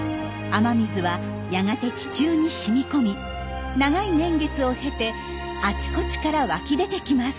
雨水はやがて地中に染み込み長い年月を経てあちこちから湧き出てきます。